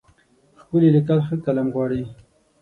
ښکلي لیکل ښه قلم غواړي.